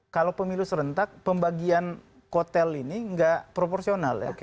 kalau pemilu serentak pembagian kotel ini nggak proporsional ya